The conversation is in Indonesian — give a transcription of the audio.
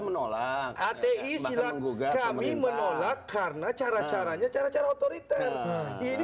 menolak ati silahkan menggugah kami menolak karena cara caranya cara cara otoriter ini